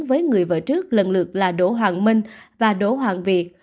với người vợ trước lần lượt là đỗ hoàng minh và đỗ hoàng việt